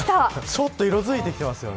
ちょっと色づいてきてますよね。